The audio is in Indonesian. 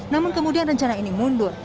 namun kemudian rencana ini mundur